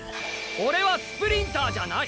オレはスプリンターじゃない。